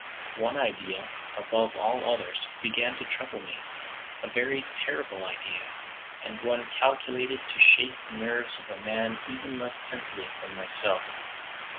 One idea, above all others, began to trouble me: a very terrible idea, and one calculated to shake the nerves of a man even less sensitive than myself.